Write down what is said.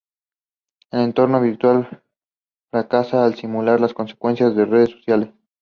El entorno virtual fracasa al simular las consecuencias sociales reales.